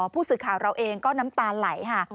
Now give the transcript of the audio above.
ผู้สื่อข่าวเราเองก็น้ำตาไหลค่ะ